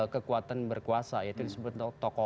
kekuatan berkuasa yaitu disebut tokoh